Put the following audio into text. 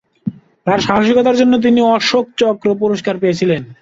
তাঁর সাহসিকতার জন্য তিনি অশোক চক্র পুরস্কার পেয়েছিলেন।